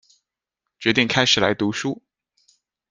决定开始来读书